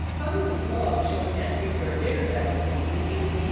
Connally 's logs show an entry for a dinner 'that evening at 8 p.